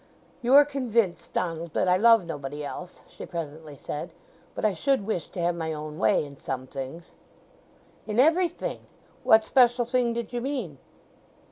"You are convinced, Donald, that I love nobody else," she presently said. "But I should wish to have my own way in some things." "In everything! What special thing did you mean?"